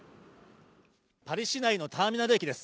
パリ市内のターミナル駅です